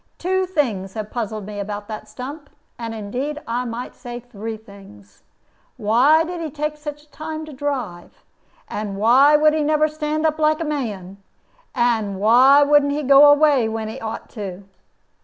"Two things have puzzled me about that stump, and, indeed, I might say three things. Why did he take such a time to drive? and why would he never stand up like a man? and why wouldn't he go away when he ought to?"